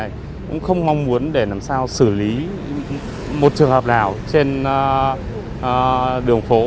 thì cũng không mong muốn để làm sao xử lý một trường hợp nào trên đường phố